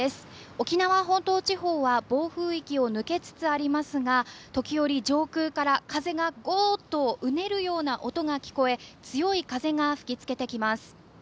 沖縄本島地方は暴風域を抜けつつありますが時折、上空から風がゴーッとうねるような音が聞こえ強い風が吹き付けてきます。